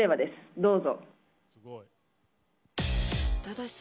どうぞ。